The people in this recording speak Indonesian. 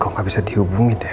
kau gak bisa dihubungin ya